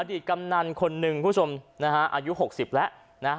อิตย์กำนันคนหนึ่งคุณชมนะคะอายุหกสิบแล้วนะคะ